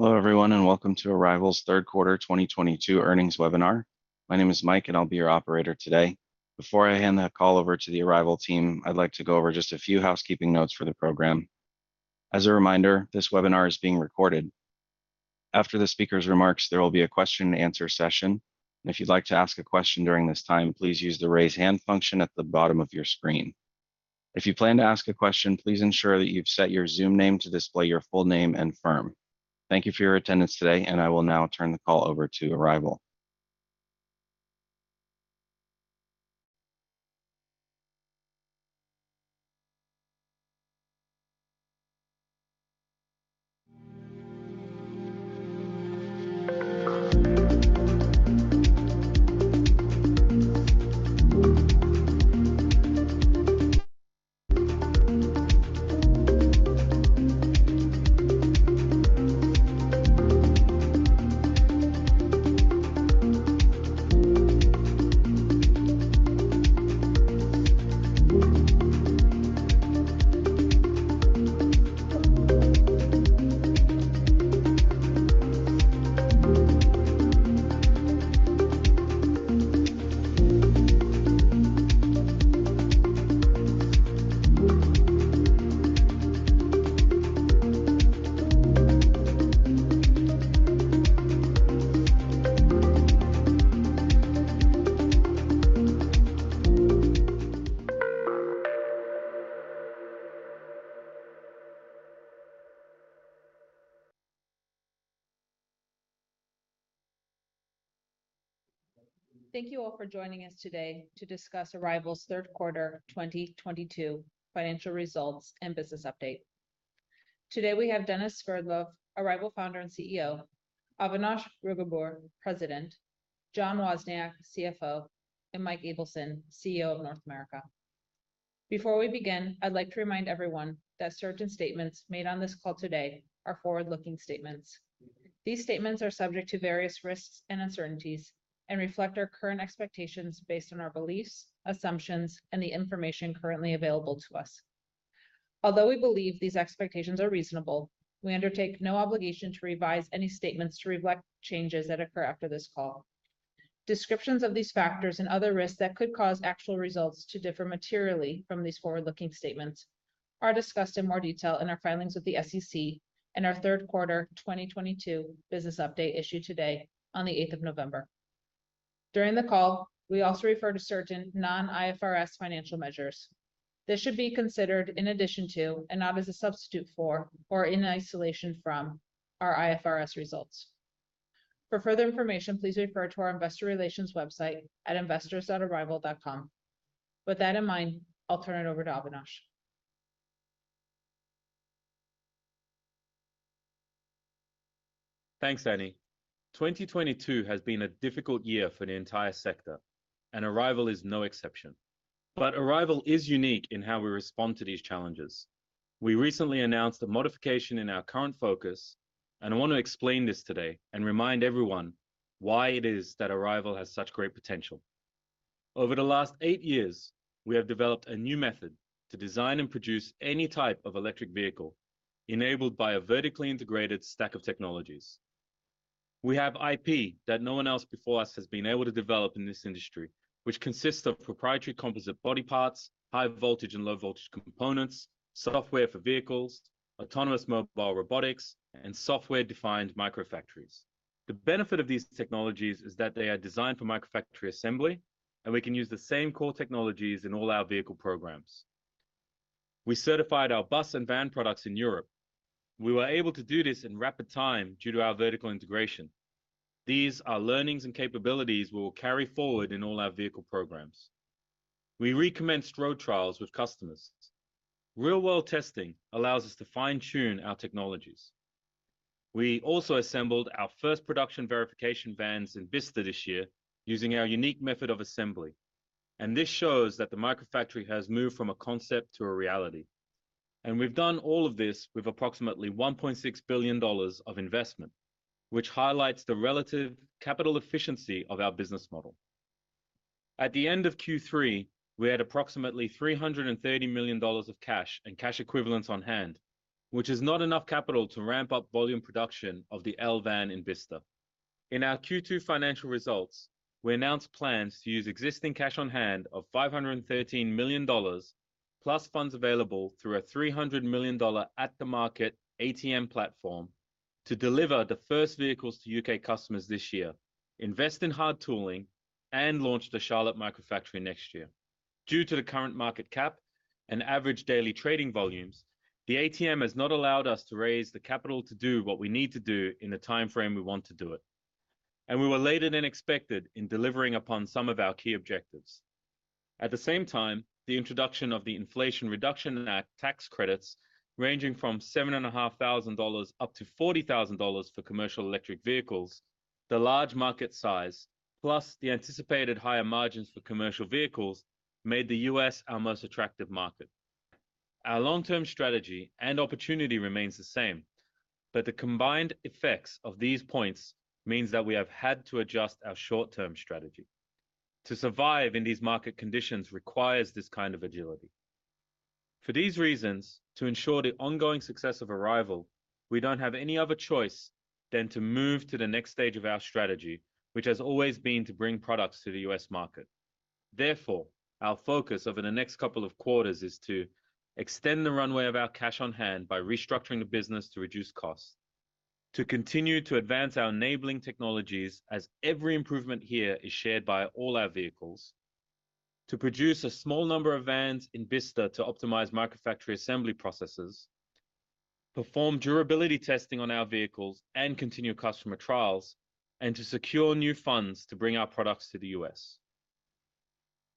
Hello, everyone, and welcome to Arrival's third quarter 2022 earnings webinar. My name is Mike, and I'll be your operator today. Before I hand the call over to the Arrival team, I'd like to go over just a few housekeeping notes for the program. As a reminder, this webinar is being recorded. After the speaker's remarks, there will be a question and answer session. If you'd like to ask a question during this time, please use the raise hand function at the bottom of your screen. If you plan to ask a question, please ensure that you've set your Zoom name to display your full name and firm. Thank you for your attendance today, and I will now turn the call over to Arrival. Thank you all for joining us today to discuss Arrival's third quarter 2022 financial results and business update. Today, we have Denis Sverdlov, Founder and CEO, Avinash Rugoobur, President, John Wozniak, CFO, and Michael Ableson, CEO of North America. Before we begin, I'd like to remind everyone that certain statements made on this call today are forward-looking statements. These statements are subject to various risks and uncertainties and reflect our current expectations based on our beliefs, assumptions, and the information currently available to us. Although we believe these expectations are reasonable, we undertake no obligation to revise any statements to reflect changes that occur after this call. Descriptions of these factors and other risks that could cause actual results to differ materially from these forward-looking statements are discussed in more detail in our filings with the SEC and our third quarter 2022 business update issued today on the eighth of November. During the call, we also refer to certain non-IFRS financial measures. This should be considered in addition to and not as a substitute for or in isolation from our IFRS results. For further information, please refer to our investor relations website at investors.arrival.com. With that in mind, I'll turn it over to Avinash. Thanks, Annie. 2022 has been a difficult year for the entire sector, and Arrival is no exception. Arrival is unique in how we respond to these challenges. We recently announced a modification in our current focus, and I want to explain this today and remind everyone why it is that Arrival has such great potential. Over the last eight years, we have developed a new method to design and produce any type of electric vehicle enabled by a vertically integrated stack of technologies. We have IP that no one else before us has been able to develop in this industry, which consists of proprietary composite body parts, high voltage and low voltage components, software for vehicles, autonomous mobile robotics, and software-defined Microfactories. The benefit of these technologies is that they are designed for Microfactory assembly, and we can use the same core technologies in all our vehicle programs. We certified our bus and van products in Europe. We were able to do this in rapid time due to our vertical integration. These are learnings and capabilities we will carry forward in all our vehicle programs. We recommenced road trials with customers. Real-world testing allows us to fine-tune our technologies. We also assembled our first production verification vans in Vista this year using our unique method of assembly, and this shows that the Microfactory has moved from a concept to a reality. We've done all of this with approximately $1.6 billion of investment, which highlights the relative capital efficiency of our business model. At the end of Q3, we had approximately $330 million of cash and cash equivalents on-hand, which is not enough capital to ramp up volume production of the L Van in Vista. In our Q2 financial results, we announced plans to use existing cash on hand of $513 million plus funds available through a $300 million at-the-market ATM platform to deliver the first vehicles to UK customers this year, invest in hard tooling and launch the Charlotte microfactory next year. Due to the current market cap and average daily trading volumes, the ATM has not allowed us to raise the capital to do what we need to do in the time frame we want to do it. We were later than expected in delivering upon some of our key objectives. At the same time, the introduction of the Inflation Reduction Act tax credits ranging from $7,500 up to $40,000 for commercial electric vehicles, the large market size, plus the anticipated higher margins for commercial vehicles, made the U.S. our most attractive market. Our long-term strategy and opportunity remains the same, but the combined effects of these points means that we have had to adjust our short-term strategy. To survive in these market conditions requires this kind of agility. For these reasons, to ensure the ongoing success of Arrival, we don't have any other choice than to move to the next stage of our strategy, which has always been to bring products to the U.S. market. Therefore, our focus over the next couple of quarters is to extend the runway of our cash on-hand by restructuring the business to reduce costs, to continue to advance our enabling technologies as every improvement here is shared by all our vehicles, to produce a small number of vans in Bicester to optimize Microfactory assembly processes, perform durability testing on our vehicles and continue customer trials, and to secure new funds to bring our products to the U.S.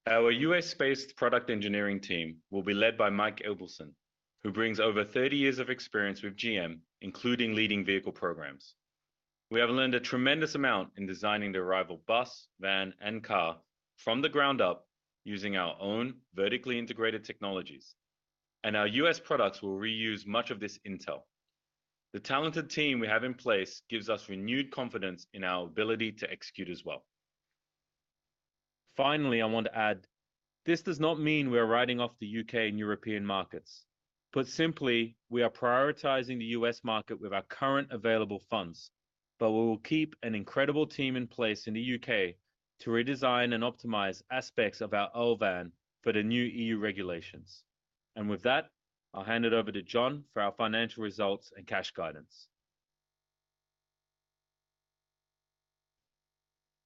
Our U.S.-based product engineering team will be led by Mike Ableson, who brings over 30 years of experience with GM, including leading vehicle programs. We have learned a tremendous amount in designing the Arrival bus, van, and car from the ground up using our own vertically integrated technologies, and our U.S. products will reuse much of this intel. The talented team we have in place gives us renewed confidence in our ability to execute as well. Finally, I want to add this does not mean we're writing off the U.K. and European markets. Put simply, we are prioritizing the U.S. market with our current available funds, but we will keep an incredible team in place in the U.K. to redesign and optimize aspects of our L Van for the new E.U. regulations. With that, I'll hand it over to John for our financial results and cash guidance.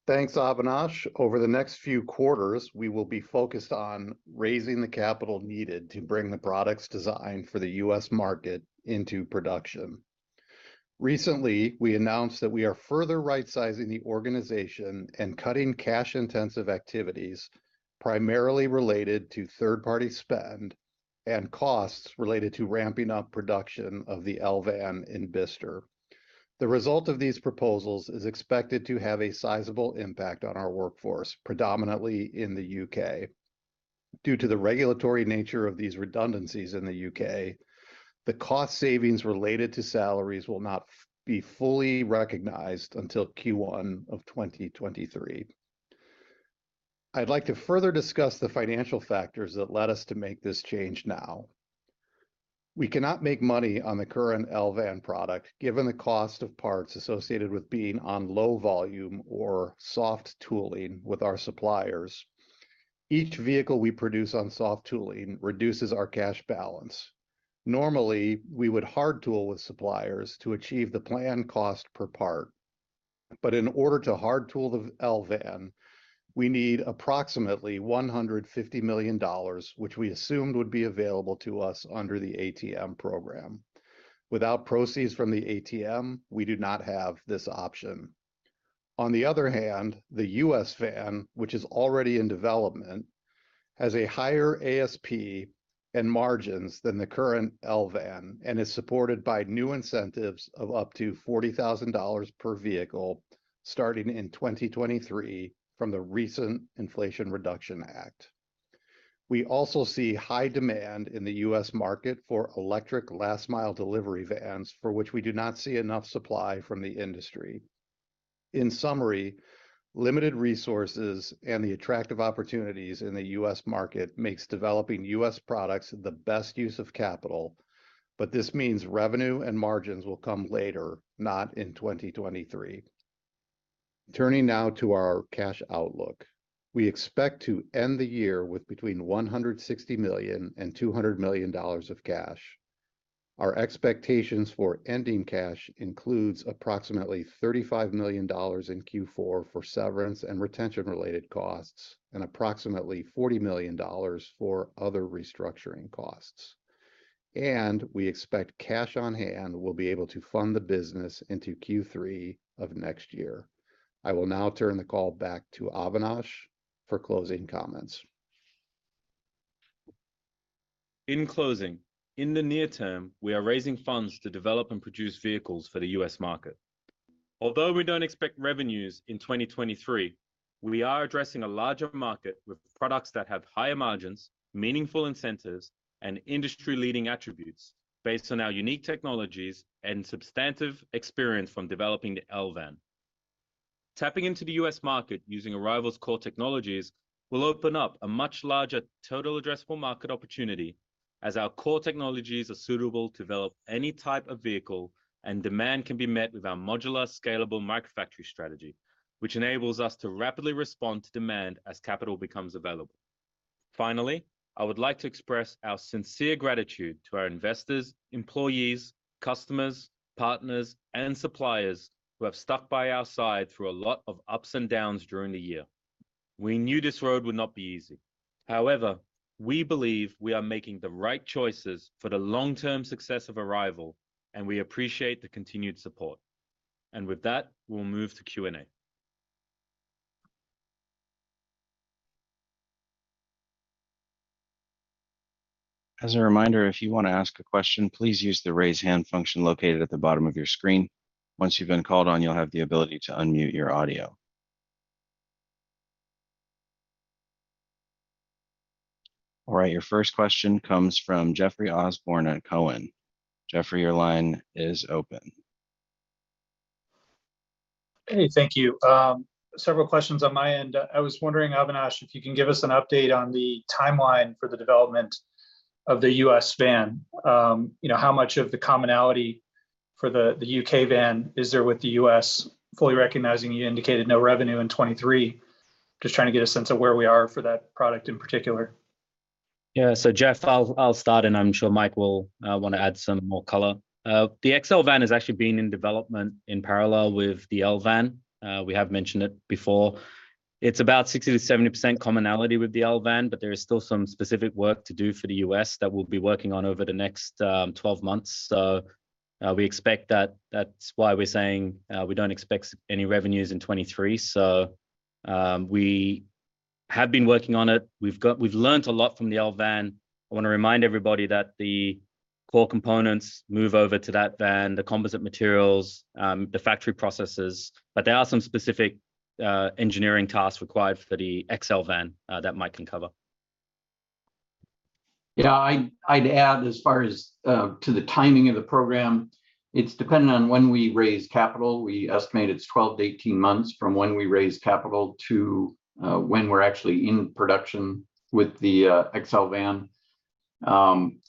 Thanks, Avinash. Over the next few quarters, we will be focused on raising the capital needed to bring the products designed for the U.S. market into production. Recently, we announced that we are further right-sizing the organization and cutting cash-intensive activities primarily related to third-party spend and costs related to ramping up production of the L-van in Bicester. The result of these proposals is expected to have a sizable impact on our workforce, predominantly in the U.K. Due to the regulatory nature of these redundancies in the U.K., the cost savings related to salaries will not be fully recognized until Q1 of 2023. I'd like to further discuss the financial factors that led us to make this change now. We cannot make money on the current L-van product given the cost of parts associated with being on low volume or soft tooling with our suppliers. Each vehicle we produce on soft tooling reduces our cash balance. Normally, we would hard tool with suppliers to achieve the planned cost per part. In order to hard tool the L Van, we need approximately $150 million, which we assumed would be available to us under the ATM program. Without proceeds from the ATM, we do not have this option. On the other hand, the XL Van, which is already in development, has a higher ASP and margins than the current L Van and is supported by new incentives of up to $40,000 per vehicle starting in 2023 from the recent Inflation Reduction Act. We also see high demand in the US market for electric last mile delivery vans, for which we do not see enough supply from the industry. In summary, limited resources and the attractive opportunities in the US market makes developing US products the best use of capital, but this means revenue and margins will come later, not in 2023. Turning now to our cash outlook. We expect to end the year with between $160 million and $200 million of cash. Our expectations for ending cash includes approximately $35 million in Q4 for severance and retention-related costs and approximately $40 million for other restructuring costs. We expect cash on hand will be able to fund the business into Q3 of next year. I will now turn the call back to Avinash for closing comments. In closing, in the near term, we are raising funds to develop and produce vehicles for the U.S. market. Although we don't expect revenues in 2023, we are addressing a larger market with products that have higher margins, meaningful incentives, and industry-leading attributes based on our unique technologies and substantive experience from developing the L Van. Tapping into the U.S. market using Arrival's core technologies will open up a much larger total addressable market opportunity as our core technologies are suitable to develop any type of vehicle, and demand can be met with our modular, scalable Microfactory strategy, which enables us to rapidly respond to demand as capital becomes available. Finally, I would like to express our sincere gratitude to our investors, employees, customers, partners, and suppliers who have stuck by our side through a lot of ups and downs during the year. We knew this road would not be easy. However, we believe we are making the right choices for the long-term success of Arrival, and we appreciate the continued support. With that, we'll move to Q&A. As a reminder, if you want to ask a question, please use the Raise Hand function located at the bottom of your screen. Once you've been called on, you'll have the ability to unmute your audio. All right, your first question comes from Jeffrey Osborne at Cowen. Jeffrey, your line is open. Hey, thank you. Several questions on my end. I was wondering, Avinash, if you can give us an update on the timeline for the development of the US van. You know, how much of the commonality for the UK van is there with the US, fully recognizing you indicated no revenue in 2023? Just trying to get a sense of where we are for that product in particular. Yeah. Jeff, I'll start, and I'm sure Mike will wanna add some more color. The XL Van has actually been in development in parallel with the L Van. We have mentioned it before. It's about 60%-70% commonality with the L Van, but there is still some specific work to do for the U.S. that we'll be working on over the next 12 months. We expect that. That's why we're saying we don't expect any revenues in 2023. We have been working on it. We've learned a lot from the L Van. I wanna remind everybody that the core components move over to that van, the composite materials, the factory processes, but there are some specific engineering tasks required for the XL Van that Mike can cover. Yeah. I'd add as far as to the timing of the program, it's dependent on when we raise capital. We estimate it's 12-18 months from when we raise capital to when we're actually in production with the XL Van.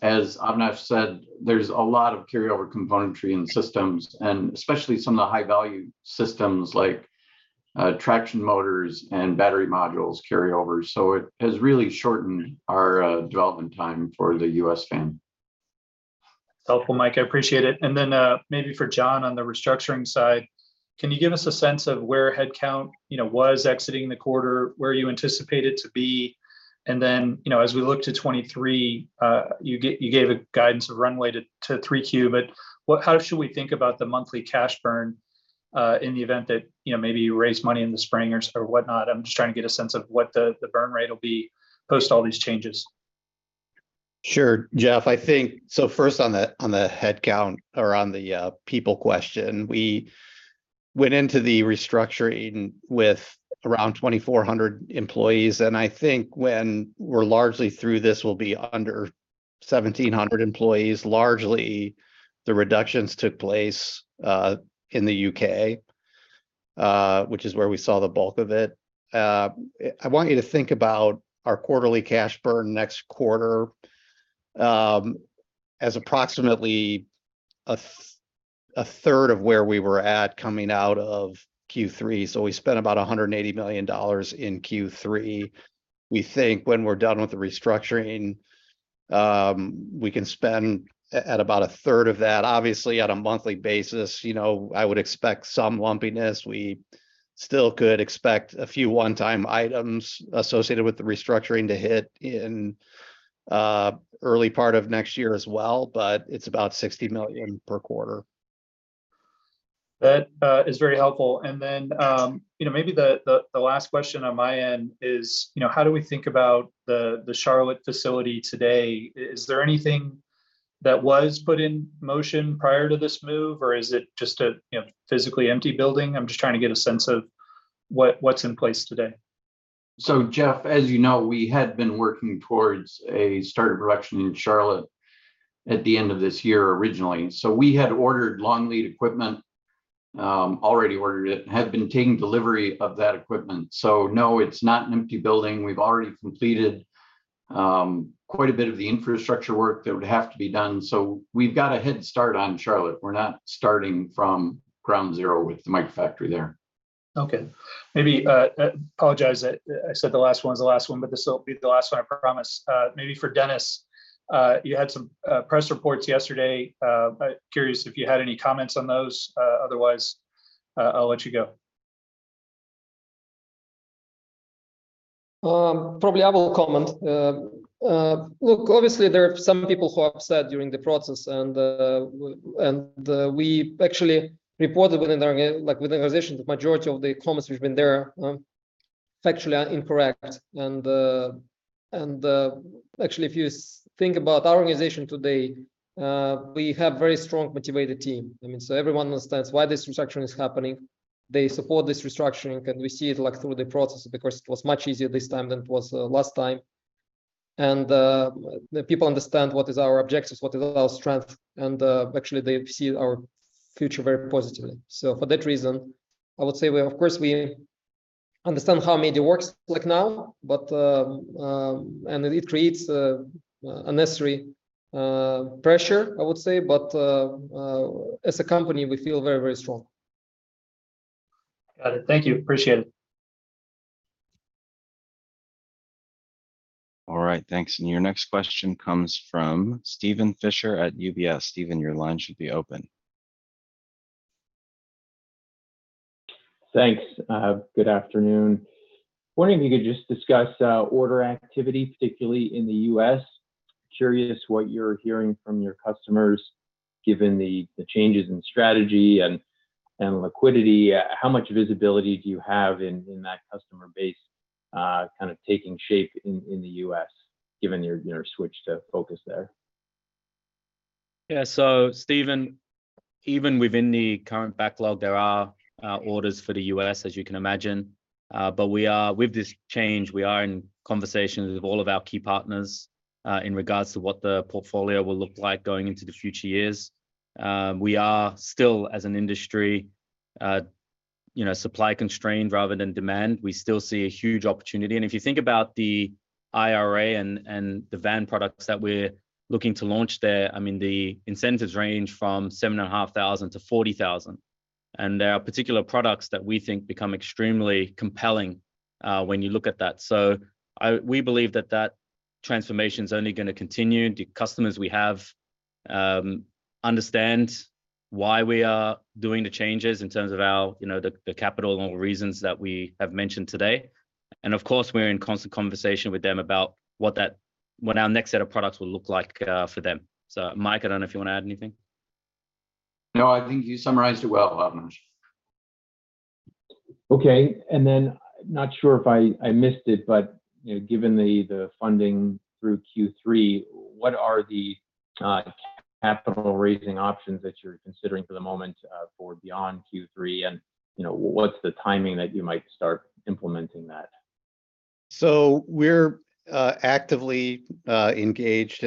As Avinash said, there's a lot of carryover componentry and systems, and especially some of the high-value systems like traction motors and battery modules carryover. It has really shortened our development time for the US van. Helpful, Mike. I appreciate it. Maybe for John on the restructuring side, can you give us a sense of where headcount, you know, was exiting the quarter? Where you anticipate it to be? As we look to 2023, you gave a guidance of runway to Q3. How should we think about the monthly cash burn, in the event that, you know, maybe you raise money in the spring or whatnot? I'm just trying to get a sense of what the burn rate will be post all these changes. Sure. Jeff, I think. First on the headcount or on the people question, we went into the restructuring with around 2,400 employees, and I think when we're largely through this, we'll be under 1,700 employees. Largely, the reductions took place in the UK, which is where we saw the bulk of it. I want you to think about our quarterly cash burn next quarter as approximately a third of where we were at coming out of Q3. We spent about $180 million in Q3. We think when we're done with the restructuring, we can spend at about a third of that. Obviously, at a monthly basis, you know, I would expect some lumpiness. We still could expect a few one-time items associated with the restructuring to hit in early part of next year as well, but it's about $60 million per quarter. That is very helpful. Then, you know, maybe the last question on my end is, you know, how do we think about the Charlotte facility today? Is there anything that was put in motion prior to this move, or is it just a, you know, physically empty building? I'm just trying to get a sense of what's in place today. Jeff, as you know, we had been working towards a start of production in Charlotte at the end of this year originally. We had ordered long-lead equipment, already ordered it, and had been taking delivery of that equipment. No, it's not an empty building. We've already completed quite a bit of the infrastructure work that would have to be done. We've got a head start on Charlotte. We're not starting from ground zero with the microfactory there. Okay. Maybe apologize that I said the last one's the last one, but this will be the last one, I promise. Maybe for Denis, you had some press reports yesterday. Otherwise, I'll let you go. Probably I will comment. Look, obviously there are some people who are upset during the process and we actually reported within our, like, within our organization, the majority of the comments which have been there are factually incorrect. Actually, if you think about our organization today, we have very strongly motivated team. I mean, everyone understands why this restructuring is happening. They support this restructuring, and we see it, like, through the process because it was much easier this time than it was last time. The people understand what is our objectives, what is our strength, and actually they see our future very positively. For that reason, I would say we. Of course, we understand how media works, like now, but and it creates a necessary pressure, I would say. As a company, we feel very, very strong. Got it. Thank you. Appreciate it. All right. Thanks. Your next question comes from Steven Fisher at UBS. Steven, your line should be open. Thanks. Good afternoon. Wondering if you could just discuss order activity, particularly in the U.S.? Curious what you're hearing from your customers given the changes in strategy and liquidity? How much visibility do you have in that customer base kind of taking shape in the U.S. given your switch to focus there? Yeah. Steven, even within the current backlog, there are orders for the U.S., as you can imagine. We are, with this change, in conversations with all of our key partners in regards to what the portfolio will look like going into the future years. We are still as an industry, you know, supply constrained rather than demand. We still see a huge opportunity. If you think about the IRA and the van products that we're looking to launch there, I mean, the incentives range from $7,500-$40,000. There are particular products that we think become extremely compelling when you look at that. We believe that that transformation's only gonna continue. The customers we have understand why we are doing the changes in terms of our, you know, the capital and all the reasons that we have mentioned today. Of course, we're in constant conversation with them about what our next set of products will look like for them. Mike, I don't know if you wanna add anything. No, I think you summarized it well, Avinash. Okay. Not sure if I missed it, but, you know, given the funding through Q3, what are the capital raising options that you're considering for the moment, for beyond Q3? What's the timing that you might start implementing that? We're actively engaged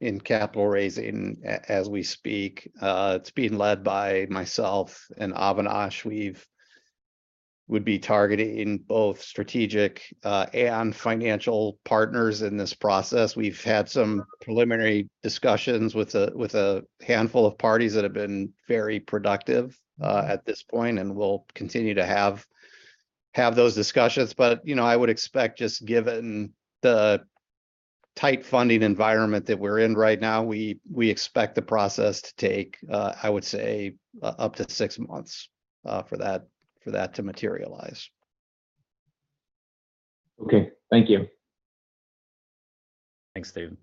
in capital raising as we speak. It's being led by myself and Avinash. We would be targeting both strategic and financial partners in this process. We've had some preliminary discussions with a handful of parties that have been very productive at this point, and we'll continue to have those discussions. You know, I would expect just given the tight funding environment that we're in right now, we expect the process to take, I would say, up to six months for that to materialize. Okay. Thank you. Thanks, David.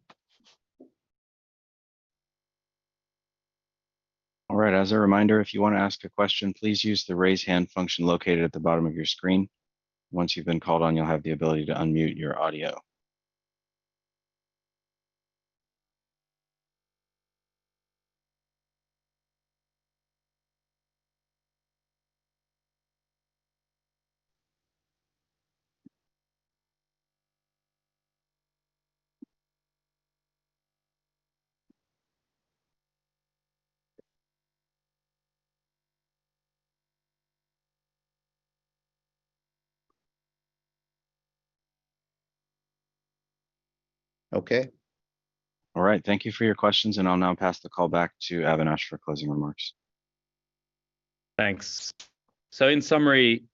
All right. As a reminder, if you wanna ask a question, please use the Raise Hand function located at the bottom of your screen. Once you've been called on, you'll have the ability to unmute your audio. Okay. All right. Thank you for your questions, and I'll now pass the call back to Avinash for closing remarks. Thanks. In summary,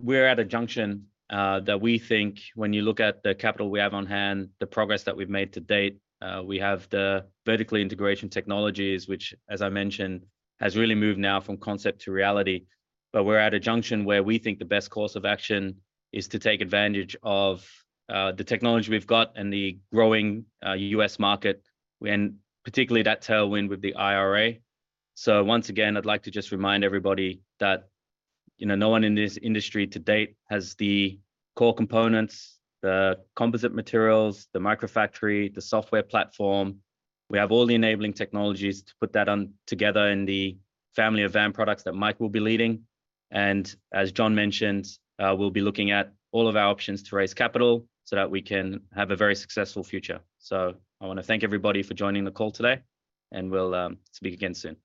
we're at a junction that we think, when you look at the capital we have on hand, the progress that we've made to date, we have the vertical integration technologies, which as I mentioned, has really moved now from concept to reality. We're at a junction where we think the best course of action is to take advantage of the technology we've got and the growing U.S. market, particularly that tailwind with the IRA. Once again, I'd like to just remind everybody that, you know, no one in this industry to date has the core components, the composite materials, the Microfactory, the software platform. We have all the enabling technologies to put that all together in the family of van products that Mike will be leading. As John mentioned, we'll be looking at all of our options to raise capital so that we can have a very successful future. I wanna thank everybody for joining the call today, and we'll speak again soon.